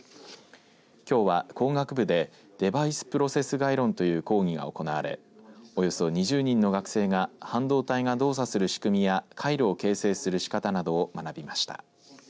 きょうは工学部でデバイスプロセス概論という講義が行われおよそ２０人の学生が半導体が動作する仕組みや回路を形成するしかたなどを学びました。